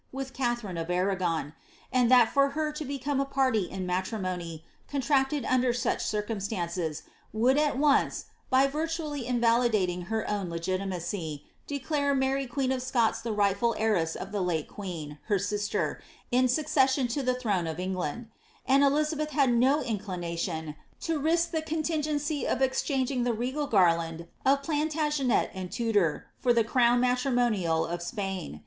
with Katharine of Arragon ; and that for her to become a party in matrimony, contracted under such ciroumstancea, would at once, by Tirtually invalidating her own legitimacy, declare Mary queen of Scots the rightful heiress of the late queen, her sister, in the snrcestsion to the throne of England ; and Elizabeth had no inclina tiott to risk the contingency of exchanging the regal gariand of Plantar met and Tudor, for the crown matrimonial of Spain.